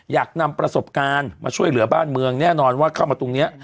อยากนำประสบการณ์มาช่วยเหลือบ้านเมืองแน่นอนว่าเข้ามาตรงนี้